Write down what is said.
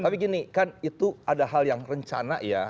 tapi gini kan itu ada hal yang rencana ya